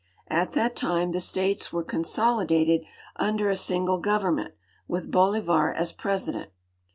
At that time tlie states were con.soli<lated under a single government, witli Bolivar as president.